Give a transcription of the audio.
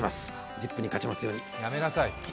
「ＺＩＰ！」に勝ちますように。